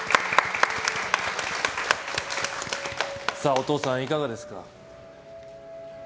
お父さん、いかがですか。